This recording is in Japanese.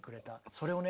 それをね